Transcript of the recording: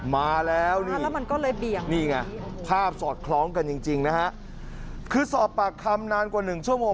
มาแล้วนี่ภาพสอดคล้องกันจริงนะฮะคือสอบปากคำนานกว่า๑ชั่วโมง